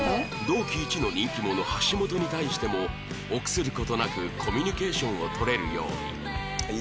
同期イチの人気者橋本に対しても臆する事なくコミュニケーションを取れるように